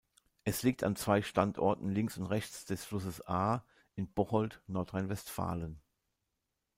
Es liegt an zwei Standorten links und rechts des Flusses Aa in Bocholt, Nordrhein-Westfalen.